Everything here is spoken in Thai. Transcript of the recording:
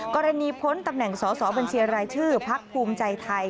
พ้นตำแหน่งสอสอบัญชีรายชื่อพักภูมิใจไทย